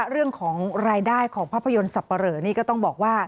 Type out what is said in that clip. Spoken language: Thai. เรื่องของรายได้ของภาพยนตร์สับปะเหลอนี่ก็ต้องบอกว่า